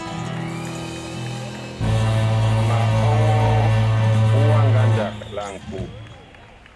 Ma ɔŋɔɔ ngandag wa laŋkoo.